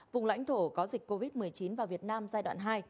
vùng lãnh thổ có dịch covid một mươi chín vào việt nam giai đoạn hai